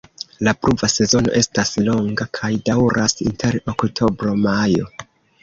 La pluva sezono estas longa kaj daŭras inter oktobro-majo.